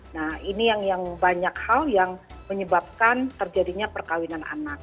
nah ini yang banyak hal yang menyebabkan terjadinya perkawinan anak